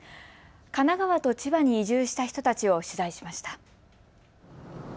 神奈川と千葉に移住した人たちを取材しました。